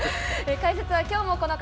解説は、きょうもこの方。